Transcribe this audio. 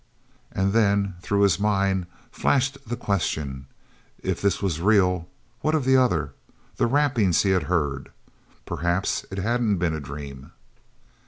And then, through his mind, flashed the question: if this was real, what of the other—the rappings he had heard? Perhaps it hadn't been a dream.